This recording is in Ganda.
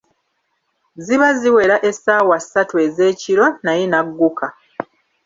Ziba ziwera essaawa ssatu ez’ekiro, naye n'agukka.